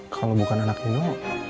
kalau bukan anak nino